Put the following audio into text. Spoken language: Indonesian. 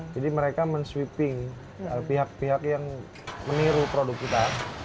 jadi mereka menswiping pihak pihak yang meniru produk kita